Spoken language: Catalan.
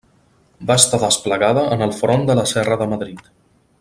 Va estar desplegada en el front de la Serra de Madrid.